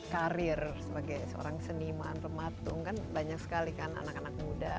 karir sebagai seorang seniman pematung kan banyak sekali kan anak anak muda